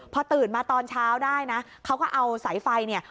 พอตื่นมาตอนเช้าได้นะเขาก็เอาสายไฟเนี่ย